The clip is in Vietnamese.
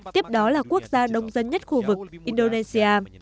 tiếp đó là quốc gia đông dân nhất khu vực indonesia